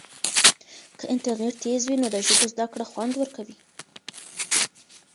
که انټرنیټ تېز وي نو د ژبو زده کړه خوند ورکوي.